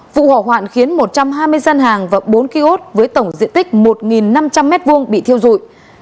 vụ hỏa hoạn khiến một trăm hai mươi gian hàng và bốn kiosk với tổng diện tích một năm trăm linh m hai bị thiêu dụi